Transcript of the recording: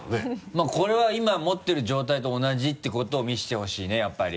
まぁこれは今持ってる状態と同じってことを見せてほしいねやっぱり。